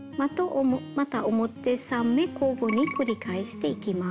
また表３目交互に繰り返していきます。